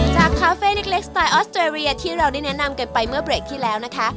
จากคาเฟ่นิกเล็กสไตล์ออสเตอรียาที่เรานี่แนะนำกันไปเมื่อเบรคที่แล้วนะคะ